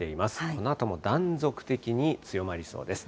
このあとも断続的に強まりそうです。